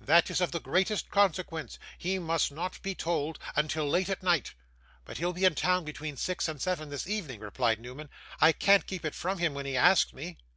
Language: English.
'That is of the greatest consequence. He must not be told until late at night.' 'But he'll be in town between six and seven this evening,' replied Newman. 'I can't keep it from him when he asks me.